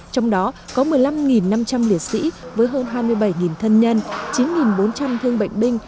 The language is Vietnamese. trong đó có một mươi năm năm trăm linh liệt sĩ với hơn hai mươi bảy thân nhân chín bốn trăm linh thương bệnh binh